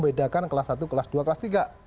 bedakan kelas satu kelas dua kelas tiga